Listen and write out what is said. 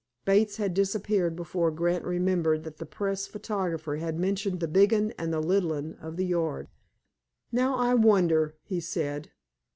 Bates had disappeared before Grant remembered that the press photographer had mentioned the Big 'Un and the Little 'Un of the Yard. "Now, I wonder," he said.